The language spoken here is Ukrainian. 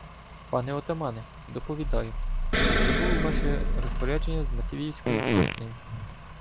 — Пане отамане! Доповідаю, що прибув у ваше розпорядження з матві- ївською сотнею.